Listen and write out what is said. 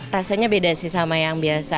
rasanya beda sih sama yang biasa